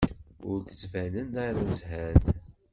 Ur d-ttbanen ara zhan.